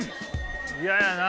嫌やな